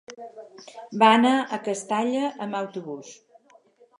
Va anar a Castalla amb autobús.